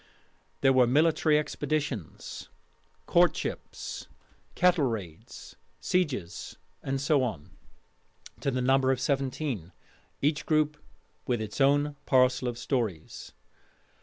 There were 'Military Expeditions,' 'Courtships,' 'Cattle raids,' 'Sieges,' and so on, to the number of seventeen, each group with its own parcel of stories.